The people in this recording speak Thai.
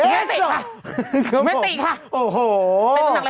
อยากให้มันดำไปเทนไฟล์เทนนึงเลย